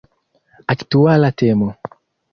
Aktuala temo!